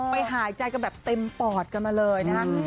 หายใจกันแบบเต็มปอดกันมาเลยนะฮะ